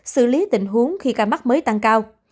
xử lý tình huống khi ca mắc mới tăng cao